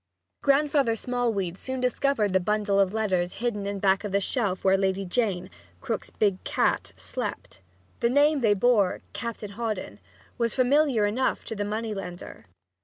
Grandfather Smallweed soon discovered the bundle of letters hidden back of the shelf where Lady Jane, Krook's big cat, slept. The name they bore, "Captain Hawdon," was familiar enough to the money lender.